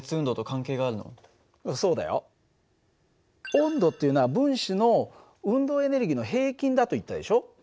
温度っていうのは分子の運動エネルギーの平均だと言ったでしょ。